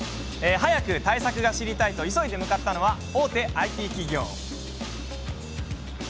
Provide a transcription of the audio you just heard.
早く対策が知りたいと急いで向かったのは大手ＩＴ企業。